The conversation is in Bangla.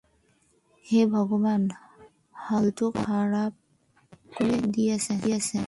হে ভগবান, হালত খারাপ করে দিয়েছে।